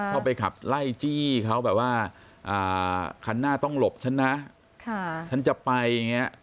เข้าไปขับไล่จี้เขาแบบว่าคันหน้าต้องหลบฉันนะฉันจะไปอย่างนี้